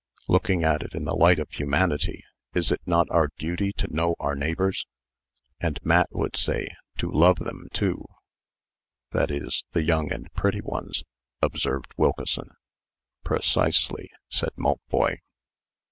Looking at it in the light of humanity, is it not our duty to know our neighbors?" "And Matt would say, To love them too that is, the young and pretty ones," observed "Wilkeson. "Precisely," said Maltboy.